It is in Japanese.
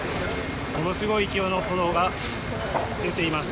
ものすごい勢いの炎が出ています。